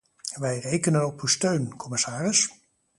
Wij rekenen op uw steun, commissaris.